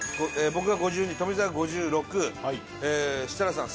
僕が５２富澤が５６はいええ設楽さん